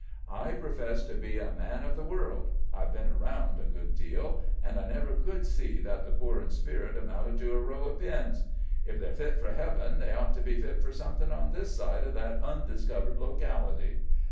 I profess to be a man of the world I've been around a good deal and I never could see that the poor in spirit amounted to a row of pins. If they're fit for heaven they ought to be fit for something on this side of that undiscovered locality."